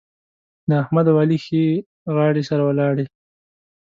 د احمد او علي ښې غاړې سره ولاړې.